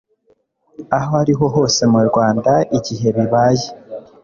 ari ho hose mu Rwanda igihe bibaye